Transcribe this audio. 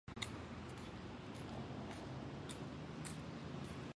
软骨耳蕨为鳞毛蕨科耳蕨属下的一个种。